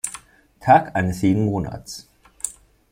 Tag eines jeden Monats.